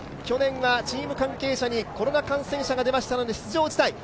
去年はチーム関係者にコロナ感染者が出ましたので出場辞退。